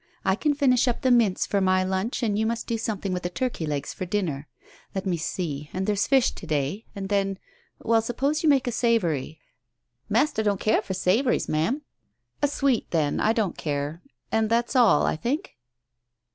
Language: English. I can finish up the mince for my lunch, and you must do some thing with the turkey legs for dinner. Let me see — and there's fish to day. And then — well, suppose you make a savoury ?" "Master don't care for savouries, Ma'am !" "A sweet, then. I don't care. And that's all, I think?"